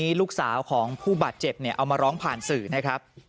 วันนี้ลูกสาวของผู้บาดเจ็บเนี่ยเอามาร้องผ่านสื่อนะครับ